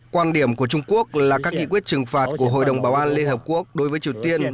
quan điểm của trung quốc là các nghị quyết trừng phạt của hội đồng bảo an liên hợp quốc đối với triều tiên